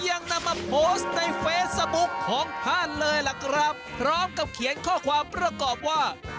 ยังนำมาโพสต์ในเฟซบุ๊คของท่านเลยล่ะครับพร้อมกับเขียนข้อความประกอบว่า